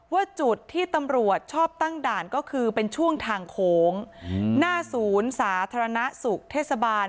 ว่าจุดที่ตำรวจชอบตั้งด่านก็คือเป็นช่วงทางโค้งหน้าศูนย์สาธารณสุขเทศบาล